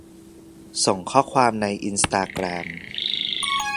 ส่งข้อความในอินสตาแกรม